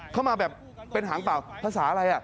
เข้ามาแบบเป็นหางเปล่าภาษาอะไร